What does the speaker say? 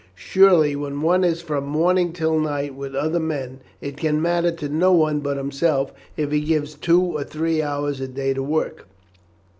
Surely when one is from morning till night with other men, it can matter to no one but himself if he gives two or three hours a day to work."